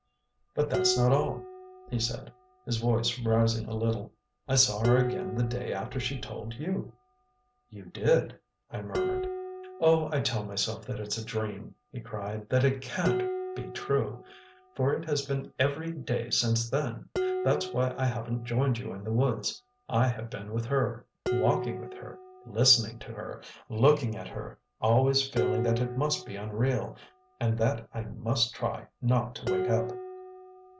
"But that's not all," he said, his voice rising a little. "I saw her again the day after she told you " "You did!" I murmured. "Oh, I tell myself that it's a dream," he cried, "that it CAN'T be true. For it has been EVERY day since then! That's why I haven't joined you in the woods. I have been with her, walking with her, listening to her, looking at her always feeling that it must be unreal and that I must try not to wake up.